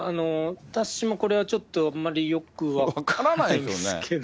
私もこれはちょっと、あまりよく分からないですけど。